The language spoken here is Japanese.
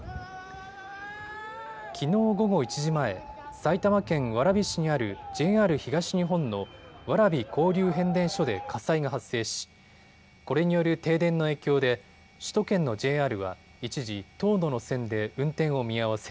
きのう午後１時前、埼玉県蕨市にあるＪＲ東日本の蕨交流変電所で火災が発生しこれによる停電の影響で首都圏のＪＲは一時、１０の路線で運転を見合わせ